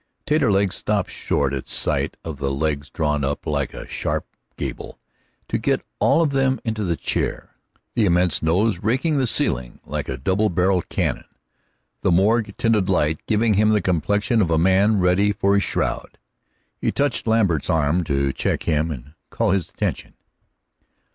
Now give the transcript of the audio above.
Taterleg stopped short at sight of the long legs drawn up like a sharp gable to get all of them into the chair, the immense nose raking the ceiling like a double barreled cannon, the morgue tinted light giving him the complexion of a man ready for his shroud. He touched Lambert's arm to check him and call his attention.